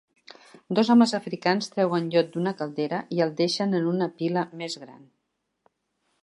Dos homes africans treuen llot d'una caldera i el deixen en una pila més gran.